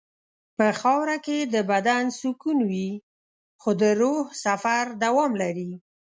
په خاوره کې د بدن سکون وي خو د روح سفر دوام لري.